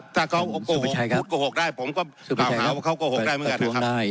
ถ้าเขาโกหกได้ผมก็กล่าวหาว่าเขาโกหกได้เหมือนกันนะครับ